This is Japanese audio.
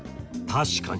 確かに。